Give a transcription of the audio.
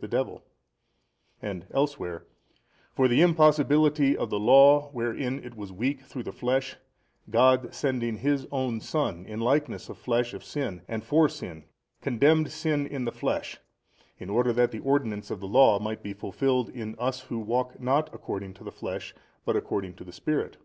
the devil, and elsewhere, For the impossibility of the law wherein it was weak through the flesh God sending His own Son in likeness of flesh of sin and for sin, condemned sin in the flesh, in order that the ordinance of the law might be fulfilled in us who walk not |276 according to the flesh but according to the Spirit.